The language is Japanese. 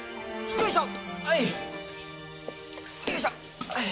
よいしょ！